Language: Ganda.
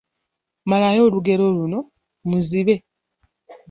Malayo olugero luno: Muzibe …